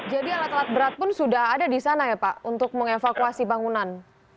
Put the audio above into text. jadi alat alat berat pun sudah ada di sana ya pak untuk mengevakuasi bangunan